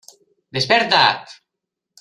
Desperta't!